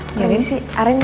ini si aren mau ke toilet ya bu